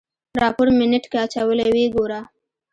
راپور مې نېټ کې اچولی ويې ګوره.